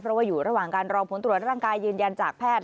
เพราะว่าอยู่ระหว่างการรอผลตรวจร่างกายยืนยันจากแพทย์